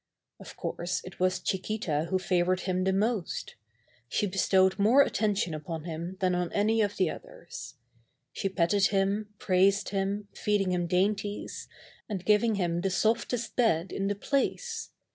Of course, it was Chiquita who favored him the most. She bestowed more attention upon him than on any of the others. She petted him praised him, feeding him dainties, and giving him the softest bed in the place.